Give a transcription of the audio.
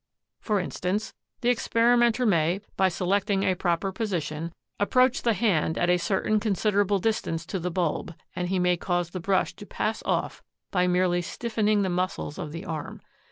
For instance, the experimenter may, by selecting a proper position, approach the hand at a certain con siderable distance to the bulb, and he may cause the brush to pass off by merely stif fening the muscles of the arm.